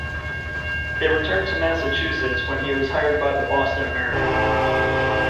They returned to Massachusetts when he was hired by the "Boston American".